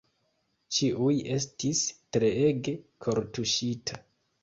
Ĉiuj estis treege kortuŝitaj.